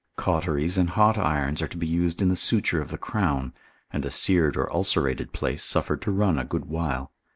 Cauteries and hot irons are to be used in the suture of the crown, and the seared or ulcerated place suffered to run a good while.